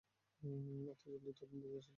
এত জলদি তদন্ত শেষ হতে দেখিনি।